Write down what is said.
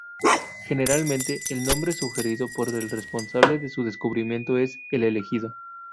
Generalmente, el nombre sugerido por el responsable de su descubrimiento es el elegido.